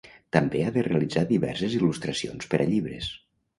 També ha de realitzar diverses il·lustracions per a llibres.